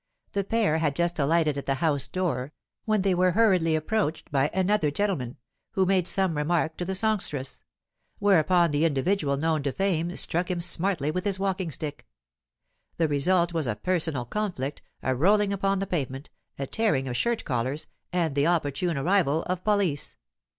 The pair had just alighted at the house door, when they were hurriedly approached by another gentleman, who made some remark to the songstress; whereupon the individual known to fame struck him smartly with his walking stick. The result was a personal conflict, a rolling upon the pavement, a tearing of shirt collars, and the opportune arrival of police.